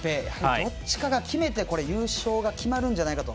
どっちかが決めて優勝が決まるんじゃないかと。